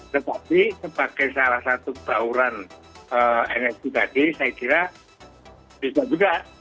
tetapi sebagai salah satu bauran nsb tadi saya kira bisa juga